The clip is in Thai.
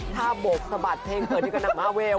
ถ้าบกสะบัดเพลงเปิดนี่ก็หนักมาเวล